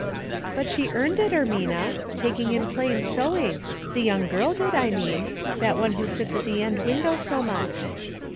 " But she earned it, Ermina, taking in plain sewing — the young girl did, I mean; that one who sits at the end window so much."